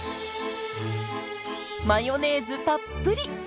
マヨネーズたっぷり！